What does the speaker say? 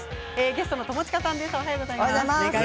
ゲストの友近さんです。